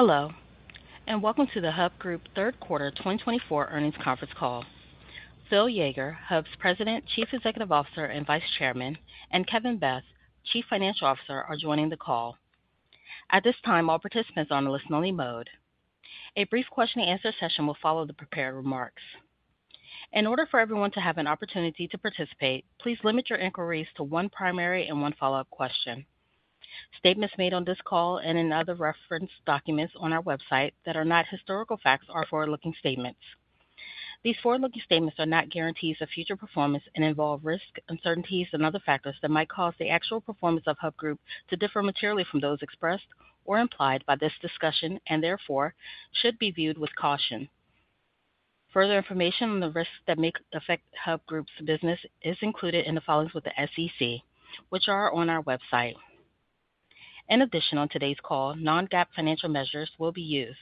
Hello, and welcome to the Hub Group Q3 2024 Earnings Conference Call. Phil Yeager, Hub's President, Chief Executive Officer, and Vice Chairman, and Kevin Beth, Chief Financial Officer, are joining the call. At this time, all participants are on a listen-only mode. A brief question-and-answer session will follow the prepared remarks. In order for everyone to have an opportunity to participate, please limit your inquiries to one primary and one follow-up question. Statements made on this call and in other reference documents on our website that are not historical facts are forward-looking statements. These forward-looking statements are not guarantees of future performance and involve risk, uncertainties, and other factors that might cause the actual performance of Hub Group to differ materially from those expressed or implied by this discussion and, therefore, should be viewed with caution. Further information on the risks that may affect Hub Group's business is included in the filings with the SEC, which are on our website. In addition, on today's call, non-GAAP financial measures will be used.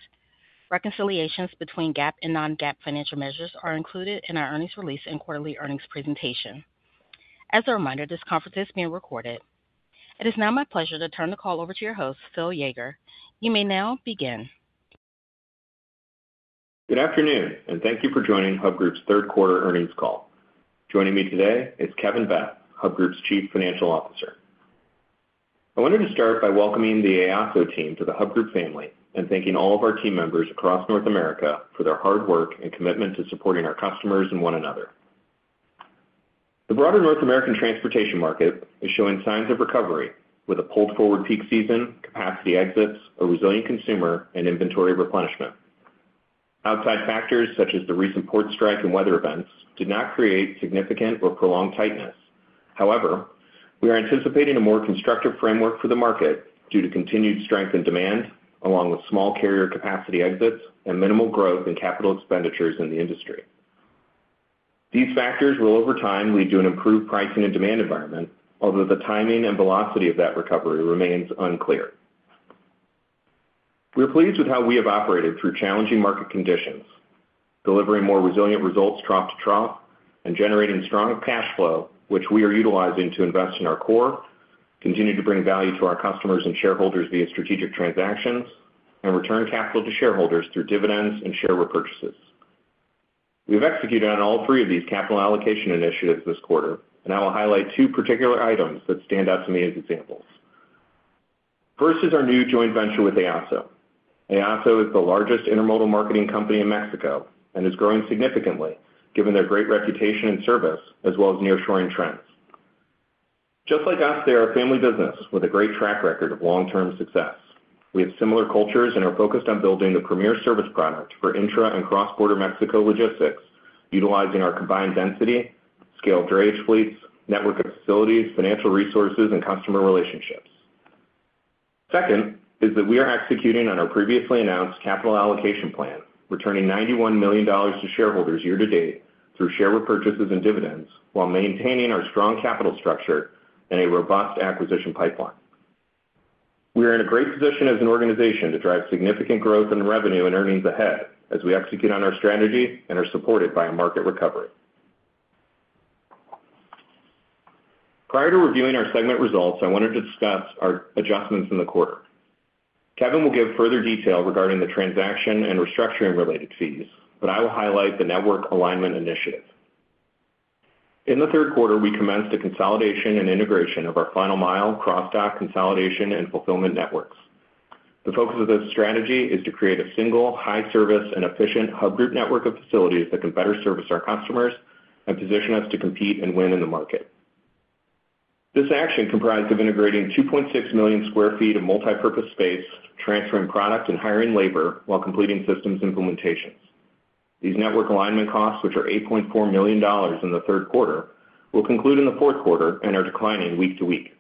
Reconciliations between GAAP and non-GAAP financial measures are included in our earnings release and quarterly earnings presentation. As a reminder, this conference is being recorded. It is now my pleasure to turn the call over to your host, Phil Yeager. You may now begin. Good afternoon, and thank you for joining Hub Group's Q3 Earnings Call. Joining me today is Kevin Beth, Hub Group's Chief Financial Officer. I wanted to start by welcoming the EASO team to the Hub Group family and thanking all of our team members across North America for their hard work and commitment to supporting our customers and one another. The broader North American transportation market is showing signs of recovery, with a pulled-forward peak season, capacity exits, a resilient consumer, and inventory replenishment. Outside factors such as the recent port strike and weather events did not create significant or prolonged tightness. However, we are anticipating a more constructive framework for the market due to continued strength in demand, along with small carrier capacity exits and minimal growth in capital expenditures in the industry. These factors will, over time, lead to an improved pricing and demand environment, although the timing and velocity of that recovery remains unclear. We're pleased with how we have operated through challenging market conditions, delivering more resilient results trough to trough and generating strong cash flow, which we are utilizing to invest in our core, continue to bring value to our customers and shareholders via strategic transactions, and return capital to shareholders through dividends and share repurchases. We have executed on all three of these capital allocation initiatives this quarter, and I will highlight two particular items that stand out to me as examples. First is our new joint venture with EASO. EASO is the largest intermodal marketing company in Mexico and is growing significantly, given their great reputation and service, as well as nearshoring trends. Just like us, they are a family business with a great track record of long-term success. We have similar cultures and are focused on building the premier service product for intra and cross-border Mexico logistics, utilizing our combined density, scaled drayage fleets, network of facilities, financial resources, and customer relationships. Second is that we are executing on our previously announced capital allocation plan, returning $91 million to shareholders year-to-date through share repurchases and dividends while maintaining our strong capital structure and a robust acquisition pipeline. We are in a great position as an organization to drive significant growth in revenue and earnings ahead as we execute on our strategy and are supported by a market recovery. Prior to reviewing our segment results, I wanted to discuss our adjustments in the quarter. Kevin will give further detail regarding the transaction and restructuring-related fees, but I will highlight the network alignment initiative. In the Q3, we commenced a consolidation and integration of our Final Mile cross-dock consolidation and fulfillment networks. The focus of this strategy is to create a single, high-service, and efficient Hub Group network of facilities that can better service our customers and position us to compete and win in the market. This action comprised of integrating 2.6 million sq ft of multipurpose space, transferring product, and hiring labor while completing systems implementations. These network alignment costs, which are $8.4 million in the Q3, will conclude in the Q4 and are declining week to week.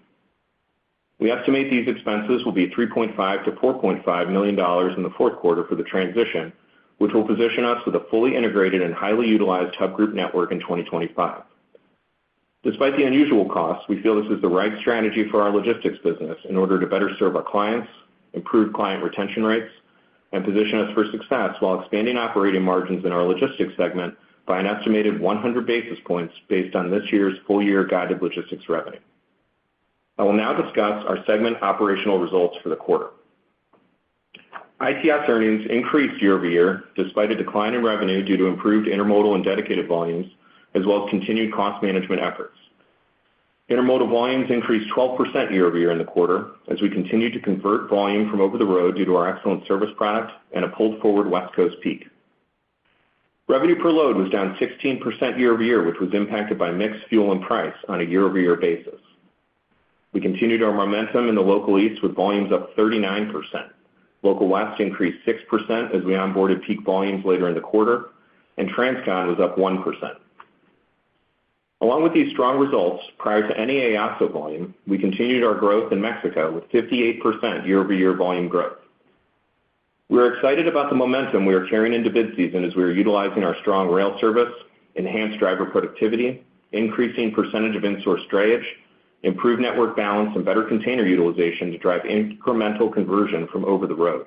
We estimate these expenses will be $3.5 million to 4.5 million in the Q4 for the transition, which will position us with a fully integrated and highly utilized Hub Group network in 2025. Despite the unusual costs, we feel this is the right strategy for our logistics business in order to better serve our clients, improve client retention rates, and position us for success while expanding operating margins in our logistics segment by an estimated 100 basis points based on this year's full-year guided logistics revenue. I will now discuss our segment operational results for the quarter. ITS earnings increased year-over-year despite a decline in revenue due to improved intermodal and dedicated volumes, as well as continued cost management efforts. Intermodal volumes increased 12% year-over-year in the quarter as we continued to convert volume from over the road due to our excellent service product and a pulled-forward West Coast peak. Revenue per load was down 16% year-over-year, which was impacted by mixed fuel and price on a year-over-year basis. We continued our momentum in the Local East with volumes up 39%. Local West increased 6% as we onboarded peak volumes later in the quarter, and Transcon was up 1%. Along with these strong results, prior to any EASO volume, we continued our growth in Mexico with 58% year-over-year volume growth. We are excited about the momentum we are carrying into bid season as we are utilizing our strong rail service, enhanced driver productivity, increasing percentage of in-source drayage, improved network balance, and better container utilization to drive incremental conversion from over the road.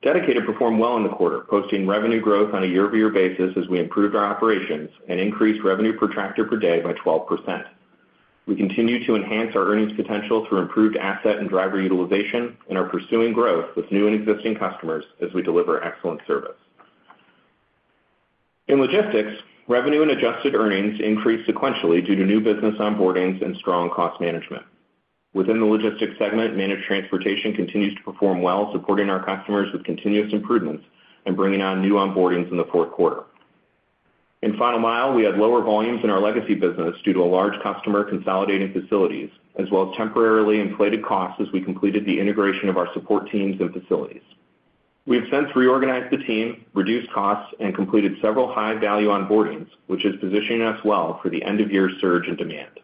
Dedicated performed well in the quarter, posting revenue growth on a year-over-year basis as we improved our operations and increased revenue per tractor per day by 12%. We continue to enhance our earnings potential through improved asset and driver utilization and are pursuing growth with new and existing customers as we deliver excellent service. In logistics, revenue and adjusted earnings increased sequentially due to new business onboardings and strong cost management. Within the logistics segment, Managed Transportation continues to perform well, supporting our customers with continuous improvements and bringing on new onboardings in the Q4. In final mile, we had lower volumes in our legacy business due to a large customer consolidating facilities, as well as temporarily inflated costs as we completed the integration of our support teams and facilities. We have since reorganized the team, reduced costs, and completed several high-value onboardings, which is positioning us well for the end-of-year surge in demand.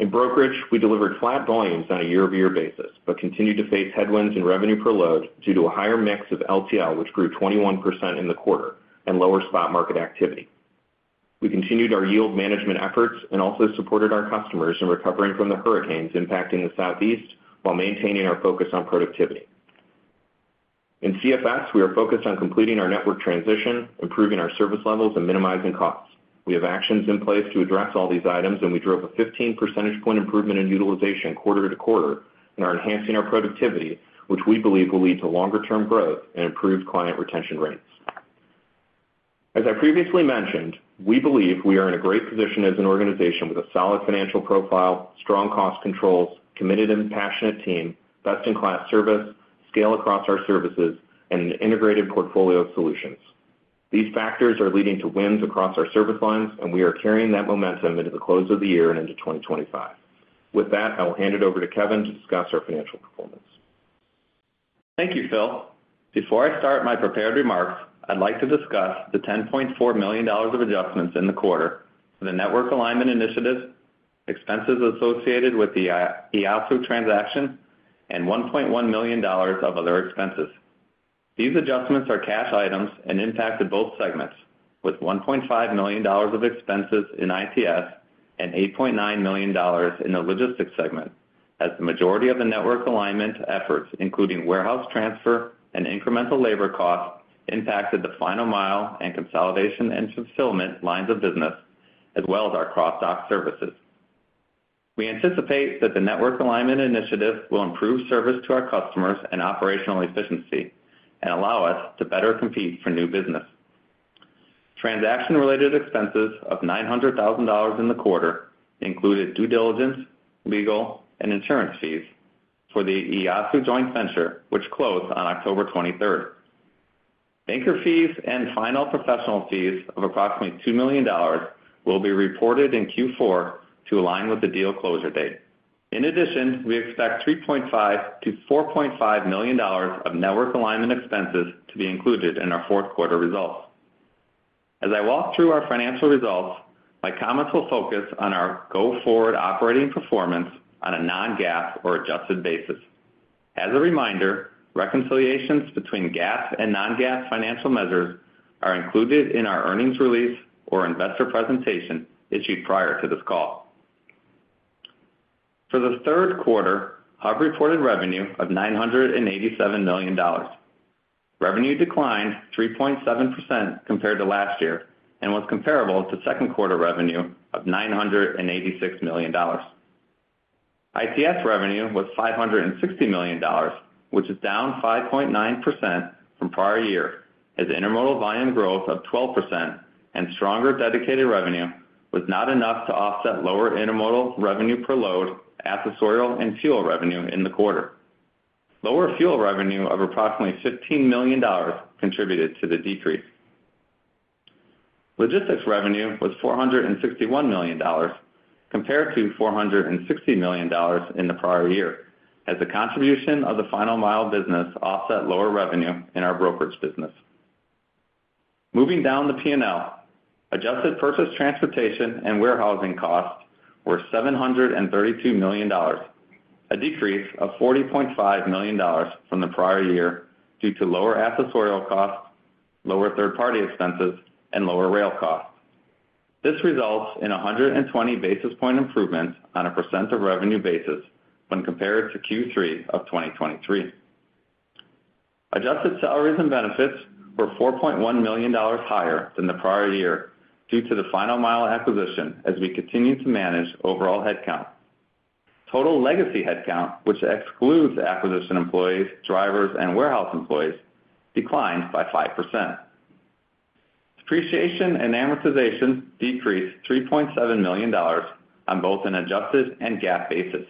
In brokerage, we delivered flat volumes on a year-over-year basis but continued to face headwinds in revenue per load due to a higher mix of LTL, which grew 21% in the quarter, and lower spot market activity. We continued our yield management efforts and also supported our customers in recovering from the hurricanes impacting the Southeast while maintaining our focus on productivity. In CFS, we are focused on completing our network transition, improving our service levels, and minimizing costs. We have actions in place to address all these items, and we drove a 15 percentage point improvement in utilization quarter-to-quarter and are enhancing our productivity, which we believe will lead to longer-term growth and improved client retention rates. As I previously mentioned, we believe we are in a great position as an organization with a solid financial profile, strong cost controls, committed and passionate team, best-in-class service, scale across our services, and an integrated portfolio of solutions. These factors are leading to wins across our service lines, and we are carrying that momentum into the close of the year and into 2025. With that, I will hand it over to Kevin to discuss our financial performance. Thank you, Phil. Before I start my prepared remarks, I'd like to discuss the $10.4 million of adjustments in the quarter for the network alignment initiative, expenses associated with the EASO transaction, and $1.1 million of other expenses. These adjustments are cash items and impacted both segments, with $1.5 million of expenses in ITS and $8.9 million in the logistics segment, as the majority of the network alignment efforts, including warehouse transfer and incremental labor costs, impacted the Final Mile and consolidation and fulfillment lines of business, as well as our cross-dock services. We anticipate that the network alignment initiative will improve service to our customers and operational efficiency and allow us to better compete for new business. Transaction-related expenses of $900,000 in the quarter included due diligence, legal, and insurance fees for the EASO joint venture, which closed on October 23rd. Banker fees and final professional fees of approximately $2 million will be reported in Q4 to align with the deal closure date. In addition, we expect $3.5 million to 4.5 million of network alignment expenses to be included in our Q4 results. As I walk through our financial results, my comments will focus on our go-forward operating performance on a non-GAAP or adjusted basis. As a reminder, reconciliations between GAAP and non-GAAP financial measures are included in our earnings release or investor presentation issued prior to this call. For the Q3, Hub reported revenue of $987 million. Revenue declined 3.7% compared to last year and was comparable to Q2 revenue of $986 million. ITS revenue was $560 million, which is down 5.9% from prior year, as intermodal volume growth of 12% and stronger dedicated revenue was not enough to offset lower intermodal revenue per load, accessorial, and fuel revenue in the quarter. Lower fuel revenue of approximately $15 million contributed to the decrease. Logistics revenue was $461 million compared to $460 million in the prior year, as the contribution of the Final Mile business offset lower revenue in our brokerage business. Moving down the P&L, adjusted purchase transportation and warehousing costs were $732 million, a decrease of $40.5 million from the prior year due to lower accessorial costs, lower third-party expenses, and lower rail costs. This results in 120 basis points improvements on a percent of revenue basis when compared to Q3 of 2023. Adjusted salaries and benefits were $4.1 million higher than the prior year due to the Final Mile acquisition as we continued to manage overall headcount. Total legacy headcount, which excludes acquisition employees, drivers, and warehouse employees, declined by 5%. Depreciation and amortization decreased $3.7 million on both an adjusted and GAAP basis.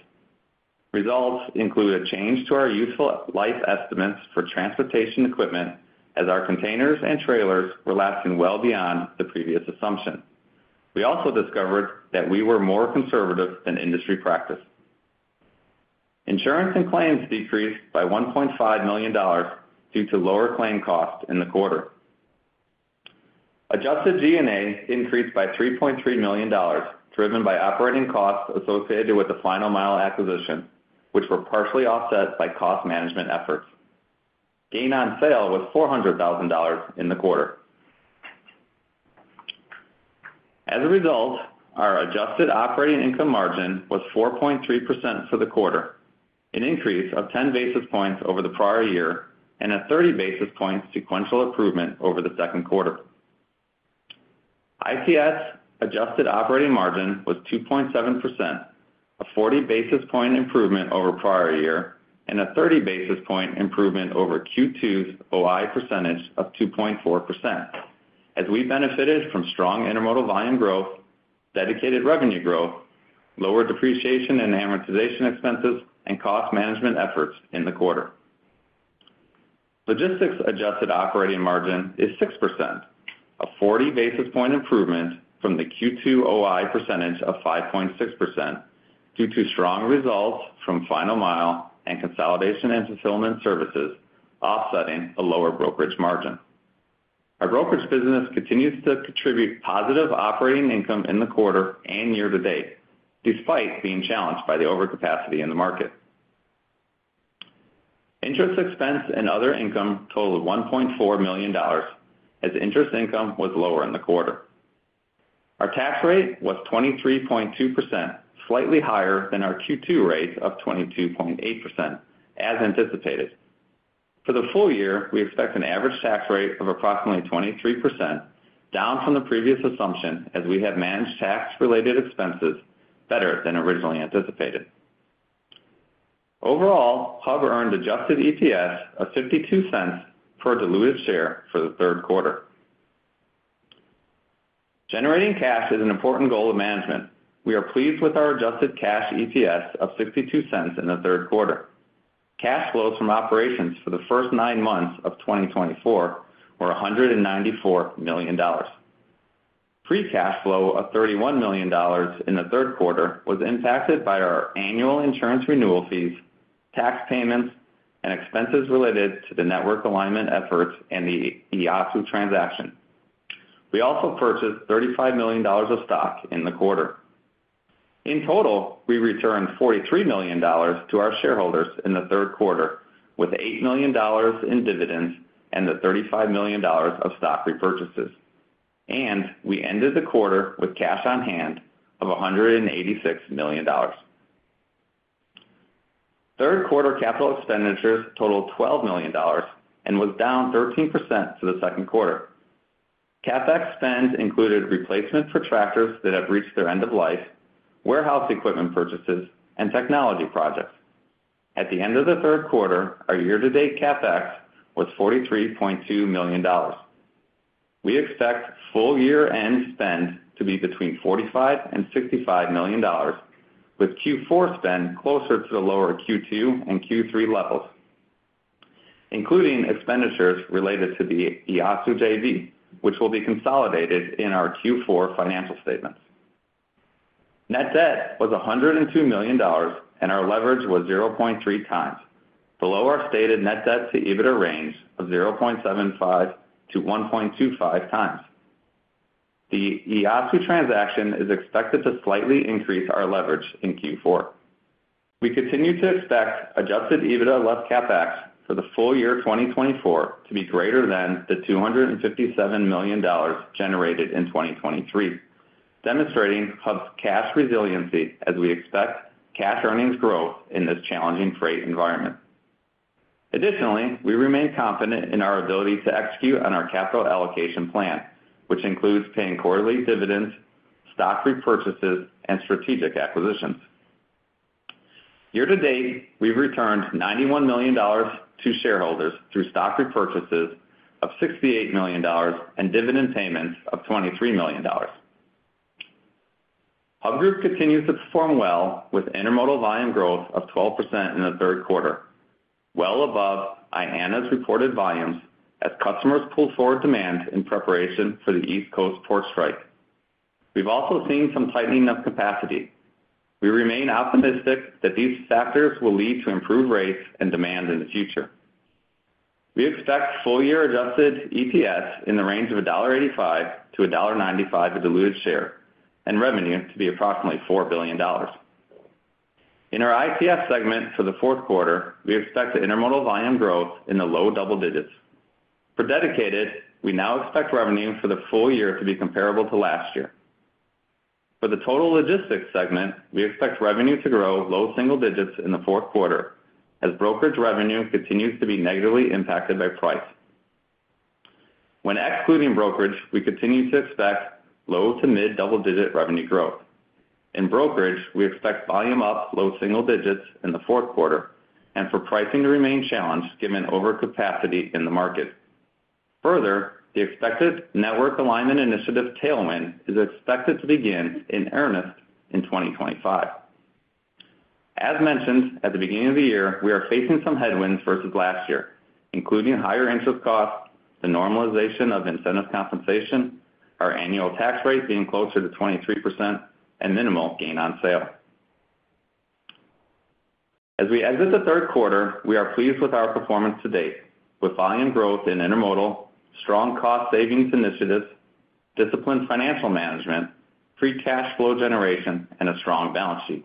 Results include a change to our useful life estimates for transportation equipment, as our containers and trailers were lasting well beyond the previous assumption. We also discovered that we were more conservative than industry practice. Insurance and claims decreased by $1.5 million due to lower claim costs in the quarter. Adjusted G&A increased by $3.3 million, driven by operating costs associated with the Final Mile acquisition, which were partially offset by cost management efforts. Gain on sale was $400,000 in the quarter. As a result, our adjusted operating income margin was 4.3% for the quarter, an increase of 10 basis points over the prior year and a 30 basis point sequential improvement over the Q2. ITS adjusted operating margin was 2.7%, a 40 basis point improvement over prior year, and a 30 basis point improvement over Q2's OI percentage of 2.4%, as we benefited from strong intermodal volume growth, dedicated revenue growth, lower depreciation and amortization expenses, and cost management efforts in the quarter. Logistics adjusted operating margin is 6%, a 40 basis point improvement from the Q2 OI percentage of 5.6% due to strong results from Final Mile and Consolidation and Fulfillment Services, offsetting a lower brokerage margin. Our brokerage business continues to contribute positive operating income in the quarter and year-to-date, despite being challenged by the overcapacity in the market. Interest expense and other income totaled $1.4 million, as interest income was lower in the quarter. Our tax rate was 23.2%, slightly higher than our Q2 rate of 22.8%, as anticipated. For the full year, we expect an average tax rate of approximately 23%, down from the previous assumption as we have managed tax-related expenses better than originally anticipated. Overall, Hub earned adjusted EPS of $0.52 per diluted share for the Q3. Generating cash is an important goal of management. We are pleased with our adjusted cash EPS of $0.62 in the Q3. Cash flows from operations for the first nine months of 2024 were $194 million. Free cash flow of $31 million in the Q3 was impacted by our annual insurance renewal fees, tax payments, and expenses related to the network alignment efforts and the EASO transaction. We also purchased $35 million of stock in the quarter. In total, we returned $43 million to our shareholders in the Q3, with $8 million in dividends and the $35 million of stock repurchases. We ended the quarter with cash on hand of $186 million. Q3 capital expenditures totaled $12 million and was down 13% to the Q2. CapEx spend included replacement for tractors that have reached their end of life, warehouse equipment purchases, and technology projects. At the end of the Q3, our year-to-date CapEx was $43.2 million. We expect full-year-end spend to be between $45 million and 65 million, with Q4 spend closer to the lower Q2 and Q3 levels, including expenditures related to the EASO JV, which will be consolidated in our Q4 financial statements. Net debt was $102 million, and our leverage was 0.3 times, below our stated net debt-to-EBITDA range of 0.75 to 1.25x. The EASO transaction is expected to slightly increase our leverage in Q4. We continue to expect adjusted EBITDA less CapEx for the full year 2024 to be greater than the $257 million generated in 2023, demonstrating Hub's cash resiliency as we expect cash earnings growth in this challenging freight environment. Additionally, we remain confident in our ability to execute on our capital allocation plan, which includes paying quarterly dividends, stock repurchases, and strategic acquisitions. Year-to-date, we've returned $91 million to shareholders through stock repurchases of $68 million and dividend payments of $23 million. Hub Group continues to perform well, with intermodal volume growth of 12% in the Q3, well above IANA's reported volumes as customers pull forward demand in preparation for the East Coast port strike. We've also seen some tightening of capacity. We remain optimistic that these factors will lead to improved rates and demand in the future. We expect full-year adjusted EPS in the range of $1.85 to 1.95 a diluted share and revenue to be approximately $4 billion. In our ITS segment for the Q4, we expect the intermodal volume growth in the low double digits. For dedicated, we now expect revenue for the full year to be comparable to last year. For the total logistics segment, we expect revenue to grow low single digits in the Q4, as brokerage revenue continues to be negatively impacted by price. When excluding brokerage, we continue to expect low to mid double-digit revenue growth. In brokerage, we expect volume up low single digits in the Q4 and for pricing to remain challenged given overcapacity in the market. Further, the expected network alignment initiative tailwind is expected to begin in earnest in 2025. As mentioned at the beginning of the year, we are facing some headwinds versus last year, including higher interest costs, the normalization of incentive compensation, our annual tax rate being closer to 23%, and minimal gain on sale. As we exit the Q3, we are pleased with our performance to date, with volume growth in intermodal, strong cost savings initiatives, disciplined financial management, free cash flow generation, and a strong balance sheet.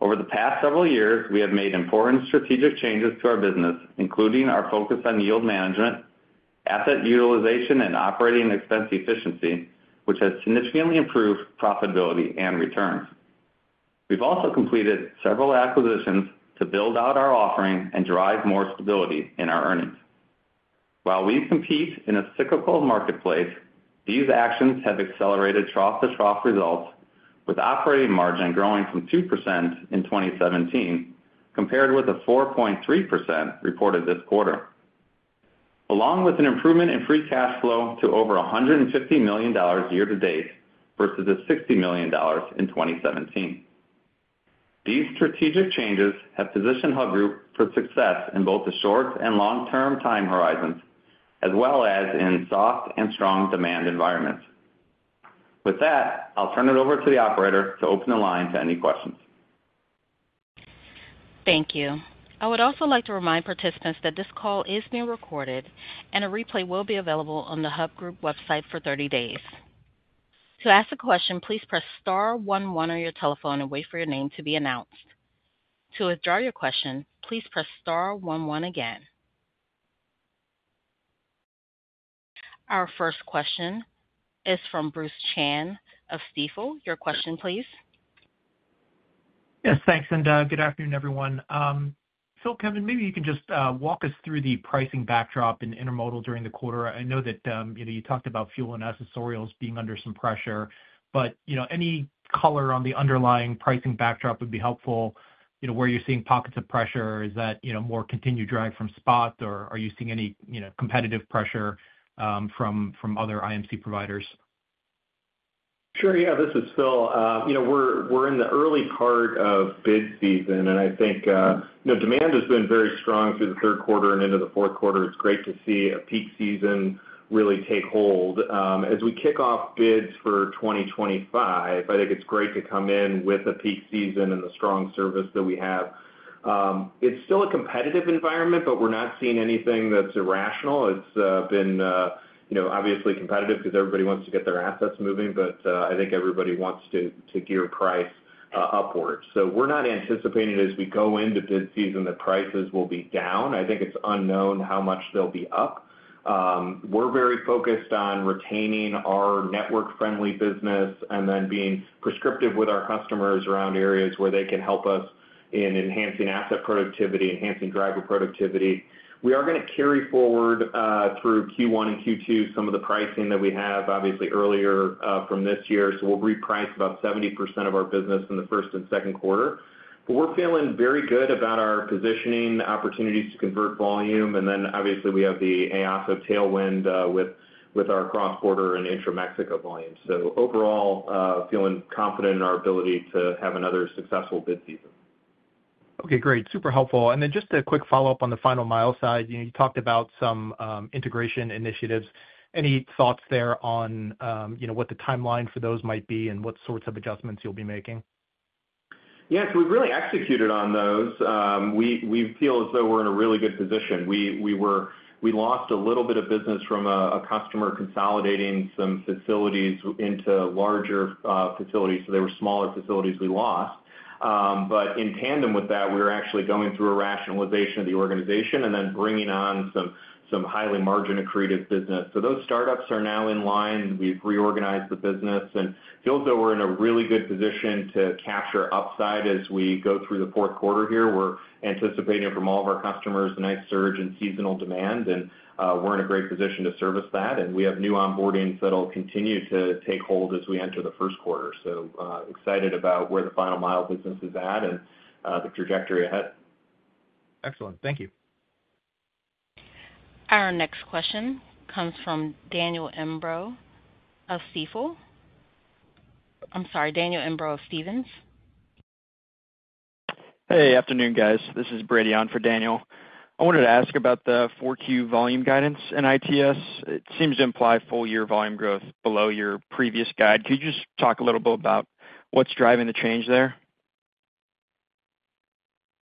Over the past several years, we have made important strategic changes to our business, including our focus on yield management, asset utilization, and operating expense efficiency, which has significantly improved profitability and returns. We've also completed several acquisitions to build out our offering and drive more stability in our earnings. While we compete in a cyclical marketplace, these actions have accelerated trough-to-trough results, with operating margin growing from 2% in 2017 compared with the 4.3% reported this quarter, along with an improvement in free cash flow to over $150 million year-to-date versus the $60 million in 2017. These strategic changes have positioned Hub Group for success in both the short and long-term time horizons, as well as in soft and strong demand environments. With that, I'll turn it over to the operator to open the line to any questions. Thank you. I would also like to remind participants that this call is being recorded and a replay will be available on the Hub Group website for 30 days. To ask a question, please press star one one on your telephone and wait for your name to be announced. To withdraw your question, please press star one one again. Our first question is from Bruce Chan of Stifel. Your question, please. Yes, thanks. And good afternoon, everyone. So, Kevin, maybe you can just walk us through the pricing backdrop in intermodal during the quarter. I know that you talked about fuel and accessorials being under some pressure, but any color on the underlying pricing backdrop would be helpful. Where you're seeing pockets of pressure, is that more continued drag from spot, or are you seeing any competitive pressure from other IMC providers? Sure. Yeah, this is Phil. We're in the early part of bid season, and I think demand has been very strong through the Q3 and into the Q4. It's great to see a peak season really take hold. As we kick off bids for 2025, I think it's great to come in with a peak season and the strong service that we have. It's still a competitive environment, but we're not seeing anything that's irrational. It's been obviously competitive because everybody wants to get their assets moving, but I think everybody wants to gear price upward. So we're not anticipating as we go into bid season that prices will be down. I think it's unknown how much they'll be up. We're very focused on retaining our network-friendly business and then being prescriptive with our customers around areas where they can help us in enhancing asset productivity, enhancing driver productivity. We are going to carry forward through Q1 and Q2 some of the pricing that we have, obviously, earlier from this year. So we'll reprice about 70% of our business in the first and Q2. But we're feeling very good about our positioning, the opportunities to convert volume, and then obviously we have the EASO tailwind with our cross-border and intra-Mexico volume. So overall, feeling confident in our ability to have another successful bid season. Okay, great. Super helpful. And then just a quick follow-up on the Final Mile side. You talked about some integration initiatives. Any thoughts there on what the timeline for those might be and what sorts of adjustments you'll be making? Yeah. So we've really executed on those. We feel as though we're in a really good position. We lost a little bit of business from a customer consolidating some facilities into larger facilities. So there were smaller facilities we lost. But in tandem with that, we're actually going through a rationalization of the organization and then bringing on some highly margin-accretive business. So those startups are now in line. We've reorganized the business. And it feels as though we're in a really good position to capture upside as we go through the Q4 here. We're anticipating from all of our customers a nice surge in seasonal demand, and we're in a great position to service that. And we have new onboardings that will continue to take hold as we enter the Q1. So excited about where the Final Mile business is at and the trajectory ahead. Excellent. Thank you. Our next question comes from Daniel Imbro of Stephens. Hey, afternoon, guys. This is Brady on for Daniel. I wanted to ask about the 4Q volume guidance in ITS. It seems to imply full-year volume growth below your previous guide. Could you just talk a little bit about what's driving the change there?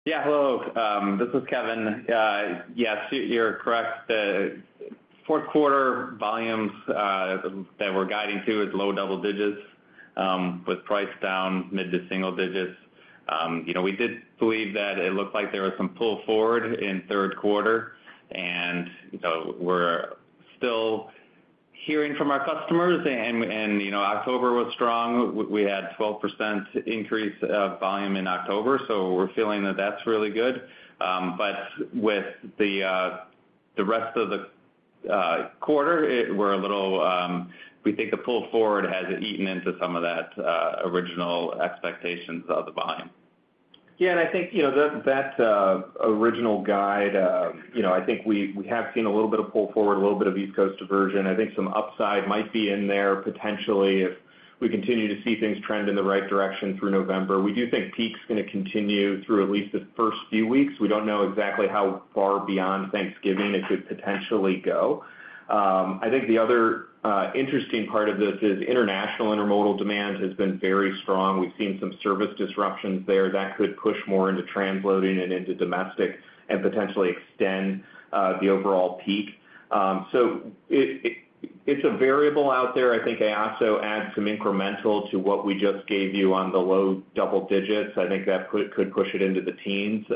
Yeah. Hello. This is Kevin. Yeah, you're correct. The Q4 volumes that we're guiding to is low double digits, with price down mid to single digits. We did believe that it looked like there was some pull forward in Q3, and we're still hearing from our customers and October was strong. We had a 12% increase of volume in October, so we're feeling that that's really good, but with the rest of the quarter, we're a little. We think the pull forward has eaten into some of that original expectations of the volume. Yeah, and I think that original guide. I think we have seen a little bit of pull forward, a little bit of East Coast diversion. I think some upside might be in there potentially if we continue to see things trend in the right direction through November. We do think peak's going to continue through at least the first few weeks. We don't know exactly how far beyond Thanksgiving it could potentially go. I think the other interesting part of this is international intermodal demand has been very strong. We've seen some service disruptions there that could push more into transloading and into domestic and potentially extend the overall peak. So it's a variable out there. I think EASO adds some incremental to what we just gave you on the low double digits. I think that could push it into the teens,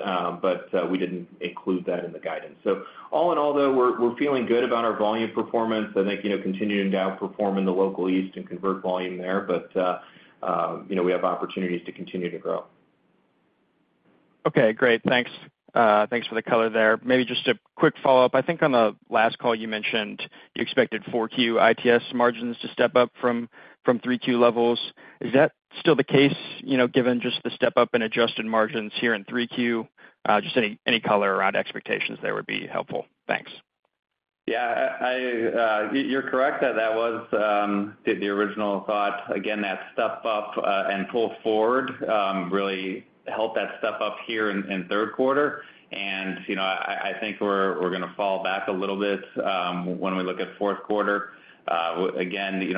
but we didn't include that in the guidance. So all in all, though, we're feeling good about our volume performance. I think continuing to outperform in the Local East and convert volume there, but we have opportunities to continue to grow. Okay. Great. Thanks. Thanks for the color there. Maybe just a quick follow-up. I think on the last call, you mentioned you expected 4Q ITS margins to step up from 3Q levels. Is that still the case, given just the step-up and adjusted margins here in 3Q? Just any color around expectations there would be helpful. Thanks. Yeah. You're correct that that was the original thought. Again, that step-up and pull forward really helped that step up here in Q3, and I think we're going to fall back a little bit when we look at Q4. Again, the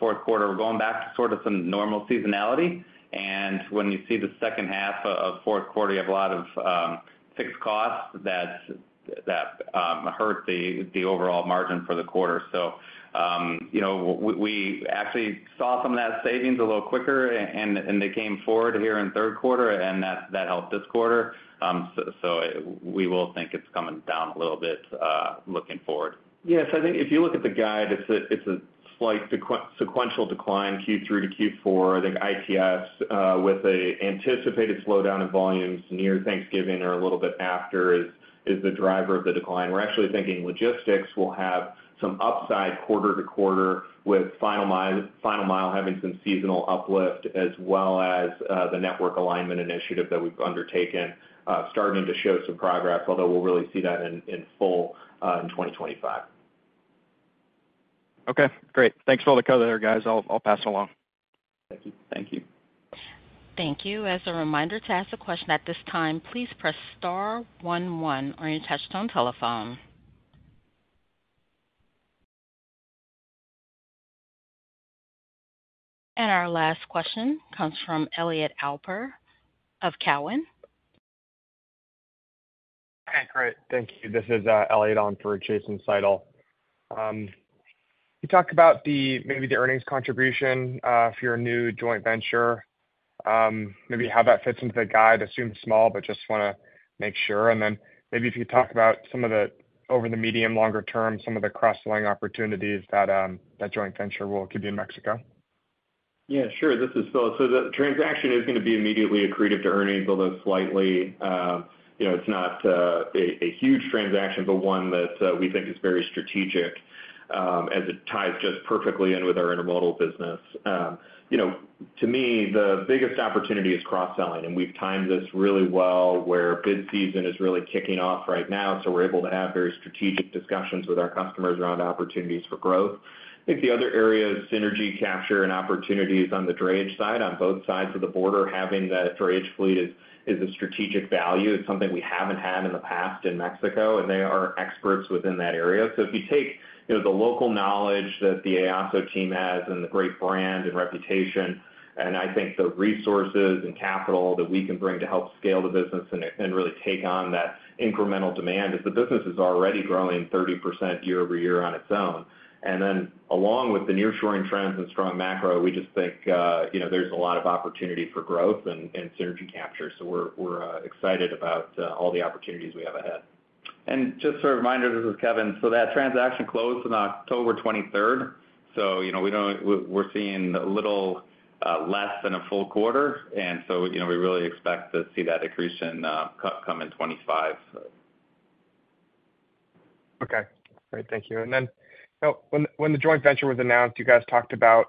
Q4, we're going back to sort of some normal seasonality, and when you see the second half of Q4, you have a lot of fixed costs that hurt the overall margin for the quarter, so we actually saw some of that savings a little quicker, and they came forward here in Q3, and that helped this quarter, so we will think it's coming down a little bit looking forward. Yes. I think if you look at the guide, it's a slight sequential decline Q3 to Q4. I think ITS, with an anticipated slowdown in volumes near Thanksgiving or a little bit after, is the driver of the decline. We're actually thinking logistics will have some upside quarter-to-quarter, with Final Mile having some seasonal uplift as well as the network alignment initiative that we've undertaken starting to show some progress, although we'll really see that in full in 2025. Okay. Great. Thanks for all the color there, guys. I'll pass it along. Thank you. Thank you. Thank you. As a reminder to ask a question at this time, please press star one one on your touch-tone telephone. Our last question comes from Elliot Alper of Cowen. Okay. Great. Thank you. This is Elliot Alper at Jason Seidl. You talked about maybe the earnings contribution for your new joint venture. Maybe how that fits into the guide, assumed small, but just want to make sure. And then maybe if you could talk about some of the over-the-median, longer-term, some of the cross-selling opportunities that joint venture will give you in Mexico? Yeah. Sure. This is Phil. So the transaction is going to be immediately accretive to earnings, although slightly. It's not a huge transaction, but one that we think is very strategic as it ties just perfectly in with our intermodal business. To me, the biggest opportunity is cross-selling, and we've timed this really well where bid season is really kicking off right now. So we're able to have very strategic discussions with our customers around opportunities for growth. I think the other area is synergy capture and opportunities on the drayage side. On both sides of the border, having that drayage fleet is a strategic value. It's something we haven't had in the past in Mexico, and they are experts within that area. So if you take the local knowledge that the EASO team has and the great brand and reputation, and I think the resources and capital that we can bring to help scale the business and really take on that incremental demand, the business is already growing 30% year-over-year on its own. And then along with the nearshoring trends and strong macro, we just think there's a lot of opportunity for growth and synergy capture. So we're excited about all the opportunities we have ahead. And just for a reminder, this is Kevin, so that transaction closed on October 23rd. So we're seeing a little less than a full quarter. And so we really expect to see that accretion come in 2025. Okay. Great. Thank you. And then when the joint venture was announced, you guys talked about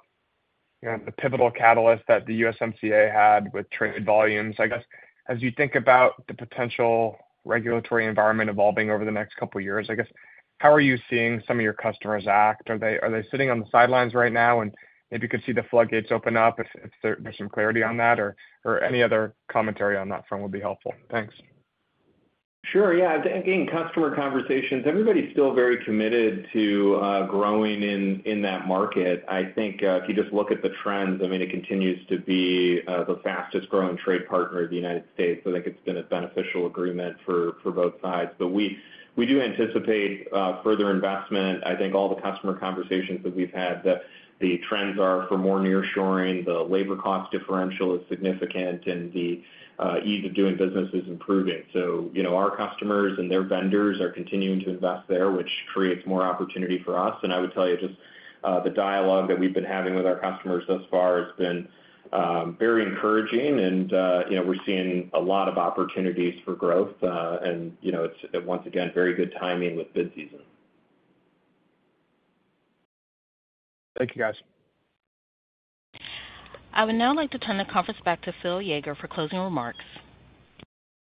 the pivotal catalyst that the USMCA had with trade volumes. I guess as you think about the potential regulatory environment evolving over the next couple of years, I guess, how are you seeing some of your customers act? Are they sitting on the sidelines right now and maybe could see the floodgates open up if there's some clarity on that? Or any other commentary on that front would be helpful. Thanks. Sure. Yeah. Again, customer conversations. Everybody's still very committed to growing in that market. I think if you just look at the trends, I mean, it continues to be the fastest-growing trade partner in the United States. I think it's been a beneficial agreement for both sides. But we do anticipate further investment. I think all the customer conversations that we've had, the trends are for more nearshoring. The labor cost differential is significant, and the ease of doing business is improving. So our customers and their vendors are continuing to invest there, which creates more opportunity for us. And I would tell you just the dialogue that we've been having with our customers thus far has been very encouraging, and we're seeing a lot of opportunities for growth. And it's, once again, very good timing with bid season. Thank you, guys. I would now like to turn the conference back to Phil Yeager for closing remarks.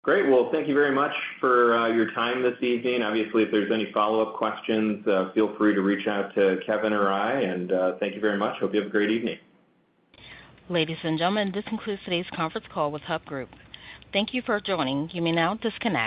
Great. Well, thank you very much for your time this evening. Obviously, if there's any follow-up questions, feel free to reach out to Kevin or I. And thank you very much. Hope you have a great evening. Ladies and gentlemen, this concludes today's conference call with Hub Group. Thank you for joining. You may now disconnect.